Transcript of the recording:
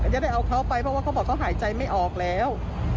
จะได้เอาเขาไปเพราะว่าเขาบอกเขาหายใจไม่ออกแล้ว